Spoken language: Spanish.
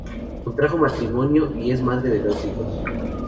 Contrajo matrimonio y es madre de dos hijos.